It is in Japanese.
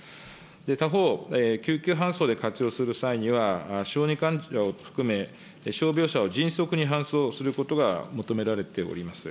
他方、救急搬送で活用する際には、小児患者を含め、傷病者を迅速に搬送することが求められております。